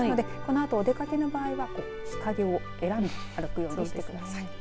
このあとお出かけの場合は日陰を選んで歩くようにしてください。